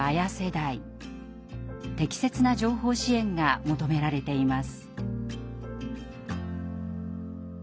適切な情報支援が求められています。